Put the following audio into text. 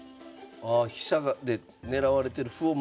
ああ飛車で狙われてる歩を守ってるんですね。